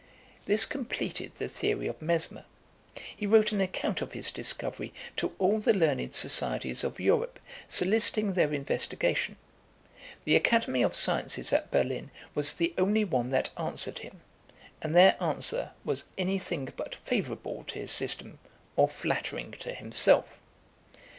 This completed the theory of Mesmer. He wrote an account of his discovery to all the learned societies of Europe, soliciting their investigation. The Academy of Sciences at Berlin was the only one that answered him, and their answer was any thing but favourable to his system or flattering to himself.